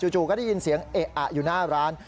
จู่ก็ได้ยินเสียงเอะอะอยู่หน้าร้าน